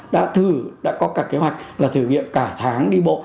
đã thử đã có cả kế hoạch là thử nghiệm cả tháng đi bộ